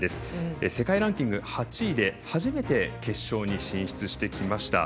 世界ランキング８位で初めて決勝に進出してきました。